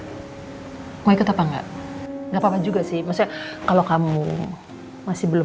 the market controlar gak apa juga sih mre kalau kamu masih belum